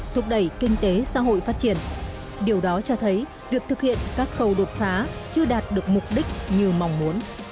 thúc đẩy kinh tế xã hội phát triển điều đó cho thấy việc thực hiện các khâu đột phá chưa đạt được mục đích như mong muốn